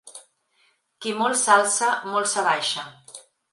Qui molt s'alça, molt s'abaixa.